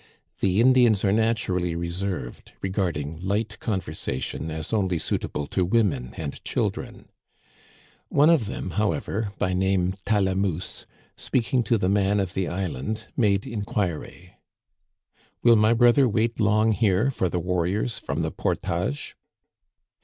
The Indians are naturally reserved, regarding light conversation as only suitable to women and children. One of them, however, by name Talamousse, speaking to the man of the island, made inquiry : Digitized by VjOOQIC A NIGHT AMONG THE SAVAGES. igl "Will my brother wait long here for the warriors from the Portage